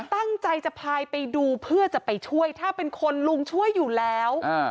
ตั้งใจจะพายไปดูเพื่อจะไปช่วยถ้าเป็นคนลุงช่วยอยู่แล้ว